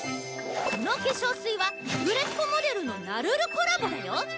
この化粧水は売れっ子モデルのなるるコラボだよ。